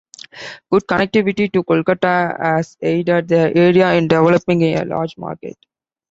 Good connectivity to Kolkata has aided the area in developing a large market.